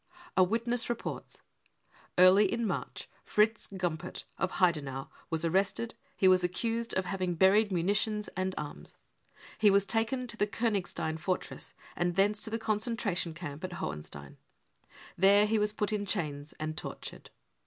A witness reports :" Early in March, Fritz Gumpert, of Heidenau, was arrested. He was accused of ' having buried munitions 41 MURDER F 'i t f" Y 329 and arms. 9 He was taken to the Konigstein fortress and thence to the concentration camp at Hohenstein. There he was put in chains and tortured.